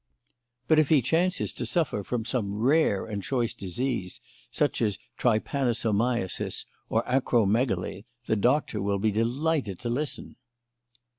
But if he chances to suffer from some rare and choice disease, such as Trypanosomiasis or Acromegaly, the doctor will be delighted to listen."